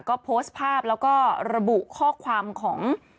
ก็โพสต์ภาพแล้วก็ระบุข้อความของ